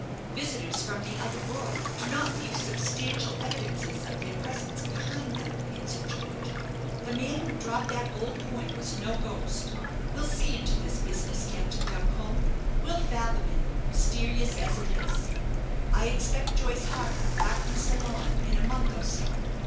"Visitors from the other world do not leave substantial evidences of their presence behind them," answered George. "The man who dropped that gold coin was no ghost. We'll see into this business, Captain Duncombe; we'll fathom it, mysterious as it is. I expect Joyce Harker back from Ceylon in a month or so.